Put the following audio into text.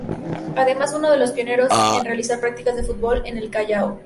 Además uno de los pioneros en realizar prácticas del fútbol en el Callao.